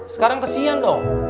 sekarang kesian dong